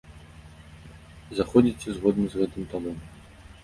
Заходзіце згодна з гэтым талонам.